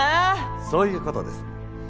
そういう事です。